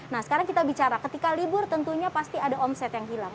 nah sekarang kita bicara ketika libur tentunya pasti ada omset yang hilang